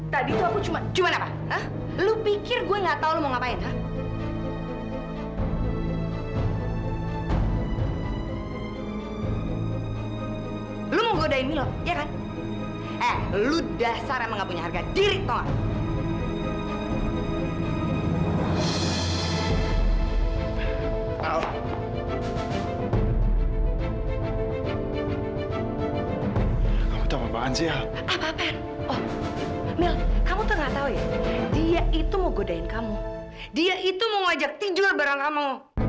dia itu mau ngajak tidur bareng kamu